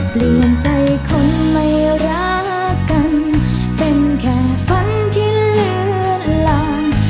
เปลี่ยนใจคนไม่รักกันเป็นแค่ฝันที่เลือนลาง